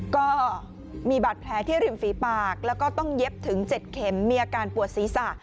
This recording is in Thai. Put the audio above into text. ก็มีบาดแผลที่ริมฝีปากแล้วก็ต้องเย็บถึง๗เข็มมีอาการปวดศีรษะ